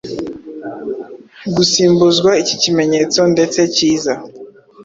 gasimbuzwa iki kimenyetso ndetse cyiza.